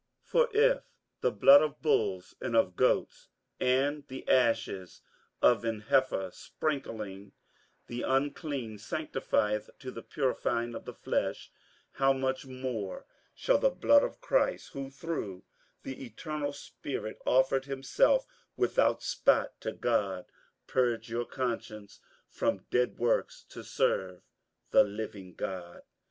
58:009:013 For if the blood of bulls and of goats, and the ashes of an heifer sprinkling the unclean, sanctifieth to the purifying of the flesh: 58:009:014 How much more shall the blood of Christ, who through the eternal Spirit offered himself without spot to God, purge your conscience from dead works to serve the living God?